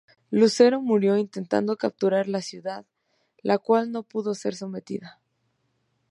Lucero murió intentando capturar la ciudad, la cual no pudo ser sometida.